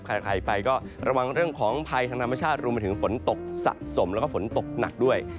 ใครไปก็ระวังเรื่องของภัยทางธรรมชาติรวมไปถึงฝนตกสะสมแล้วก็ฝนตกหนักด้วย